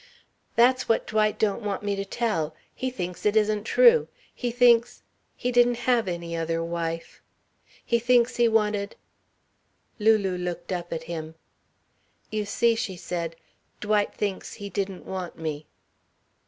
"That's what Dwight don't want me to tell he thinks it isn't true. He thinks he didn't have any other wife. He thinks he wanted " Lulu looked up at him. "You see," she said, "Dwight thinks he didn't want me."